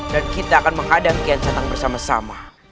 dan kita akan menghadapi sekian santan bersama sama